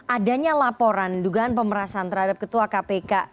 adanya laporan dugaan pemerasan terhadap ketua kpk